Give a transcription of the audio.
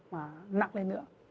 mà nặng lên nữa